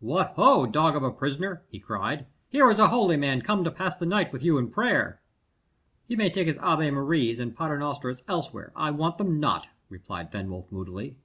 "What ho! dog of a prisoner," he cried, "here is a holy man come to pass the night with you in prayer." "He may take his Ave Maries and Paternosters elsewhere I want them not," replied Fenwolf moodily.